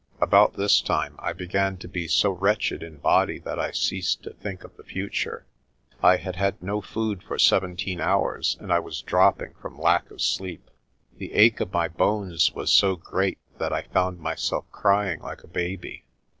About this time I began to be so wretched in body that I ceased to think of the future. I had had no food for seventeen hours, and I was dropping from lack of sleep. The ache of my bones was so great that I found myself crying like a baby.